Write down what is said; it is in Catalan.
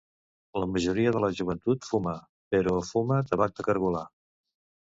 La majoria de la joventut fuma, però fuma tabac de cargolar.